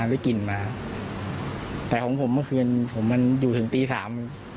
ได้กลิ่นมาแต่ของผมเมื่อคืนผมมันอยู่ถึงตีสาม